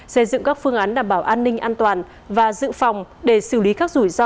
xây dựng các phương án đảm bảo an ninh an toàn và dự phòng để xử lý các rủi ro